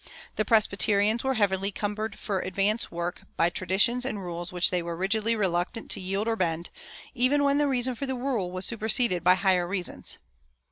The Presbyterians were heavily cumbered for advance work by traditions and rules which they were rigidly reluctant to yield or bend, even when the reason for the rule was superseded by higher reasons.